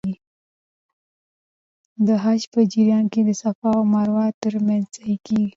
د حج په جریان کې د صفا او مروه ترمنځ سعی کېږي.